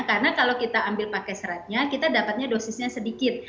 karena kalau kita ambil pakai seratnya kita dapatnya dosisnya sedikit